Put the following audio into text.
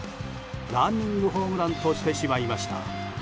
ランニングホームランとしてしまいました。